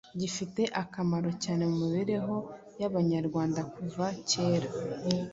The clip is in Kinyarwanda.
gifite akamaro cyane mu mibereho y’abayarwanda kuva kera,